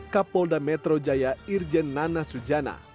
kapolda metro jaya irjen nana sujana